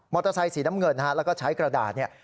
เตอร์ไซค์สีน้ำเงินนะฮะแล้วก็ใช้กระดาษเนี่ย